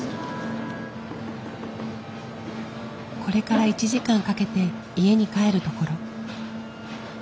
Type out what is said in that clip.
これから１時間かけて家に帰るところ。